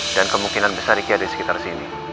dan kemungkinan besar ricky ada di sekitar sini